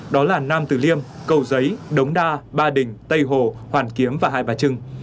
đó là nam tử liêm cầu giấy đống đa ba đình tây hồ hoàn kiếm và hai bà trưng